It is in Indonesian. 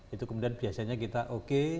itu kemudian biasanya kita oke